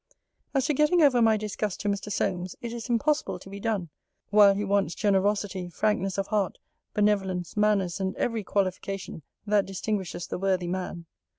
As to getting over my disgusts to Mr. Solmes, it is impossible to be done; while he wants generosity, frankness of heart, benevolence, manners and every qualification that distinguishes the worthy man.